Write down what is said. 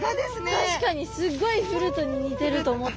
確かにすっごいフルートに似てると思ったの。